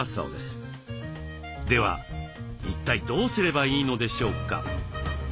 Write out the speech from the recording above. では一体どうすればいいのでしょうか。